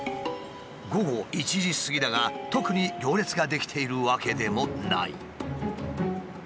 午後１時過ぎだが特に行列が出来ているわけでもない。